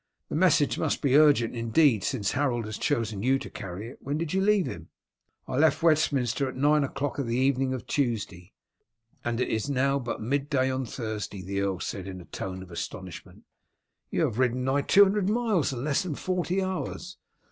"The message must be urgent indeed since Harold has chosen you to carry it. When did you leave him?" "I left Westminster at nine o'clock on the evening of Tuesday." "And it is now but mid day on Thursday," the earl said in a tone of astonishment. "You have ridden nigh two hundred miles in less than forty hours."